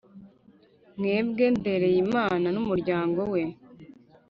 mwebwe ndereyimana n’umuryango we